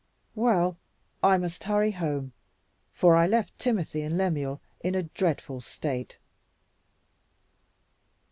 Well, I must hurry home, for I left Timothy and Lemuel in a dreadful state."